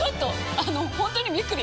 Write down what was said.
あの本当にびっくり！